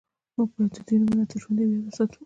موږ باید د دوی نومونه تل ژوندي او یاد وساتو